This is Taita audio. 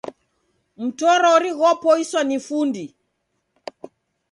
Mtorori ghopoiswa ni fundi.